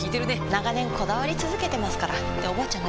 長年こだわり続けてますからっておばあちゃん